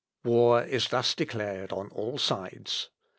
] War is thus declared on all sides.